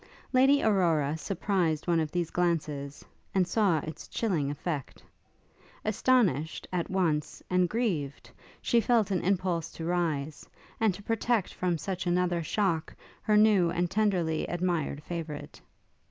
Lady Aurora surprised one of these glances, and saw its chilling effect. Astonished, at once, and grieved, she felt an impulse to rise, and to protect from such another shock her new and tenderly admired favourite.